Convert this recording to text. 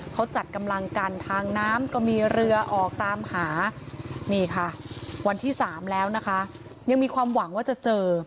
เขาจัดกำลังกันทางน้ำก็มีเรือออกตามหานี่ค่ะวันที่๓แล้วนะคะยังมีความหวังว่าจะเจอ